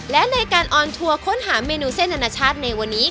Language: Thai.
และในการออนทัวร์ค้นหาเมนูเส้นอนาชาติในวันนี้